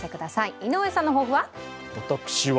井上さんの抱負は？